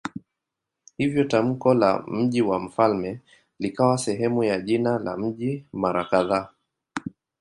Hivyo tamko la "mji wa mfalme" likawa sehemu ya jina la mji mara kadhaa.